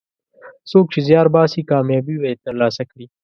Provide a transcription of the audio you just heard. څوک چې زیار باسي، کامیابي به یې ترلاسه کړي.